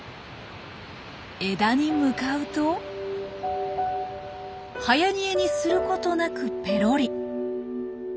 枝に向かうとはやにえにすることなくペロリ。